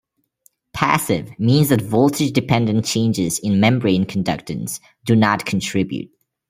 "Passive" means that voltage-dependent changes in membrane conductance do not contribute.